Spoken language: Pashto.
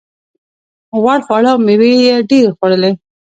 غوړ خواړه او مېوې یې ډېرې خوړلې.